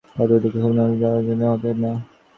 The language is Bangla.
খাওয়ার দিকে খুব নজর দাও, অজীর্ণ না হতে পায়।